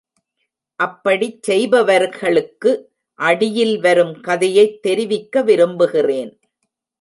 அப்படிச் செய்பவர்களுக்கு அடியில் வரும் கதையைத் தெரிவிக்க விரும்புகிறேன்.